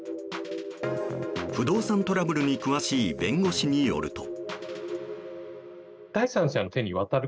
不動産トラブルに詳しい弁護士によると。